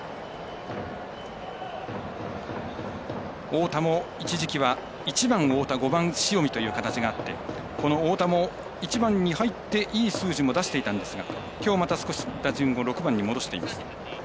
太田も一時期は１番、太田、５番、塩見という形があって太田も１番に入っていい数字も出していたんですがきょう少し、また打順６番に下げています。